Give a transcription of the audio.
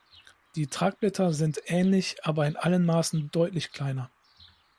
Die Tragblätter sind ähnlich, aber in allen Maßen deutlich kleiner.